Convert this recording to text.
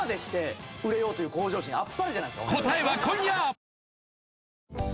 答えは今夜！